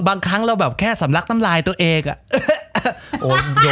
บางครั้งเราแสบรักน้ำลายตัวเอง